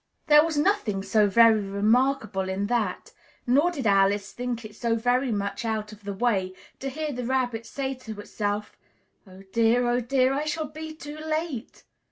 There was nothing so very remarkable in that, nor did Alice think it so very much out of the way to hear the Rabbit say to itself, "Oh dear! Oh dear! I shall be too late!"